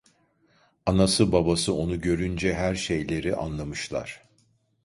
Anası babası onu görünce her şeyleri anlamışlar.